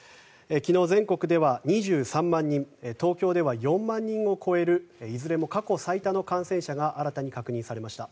昨日、全国では２３万人東京では４万人を超えるいずれも過去最多の感染者が新たに確認されました。